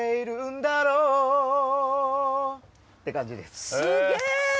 すげえ！